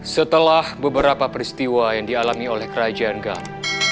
setelah beberapa peristiwa yang dialami oleh kerajaan gang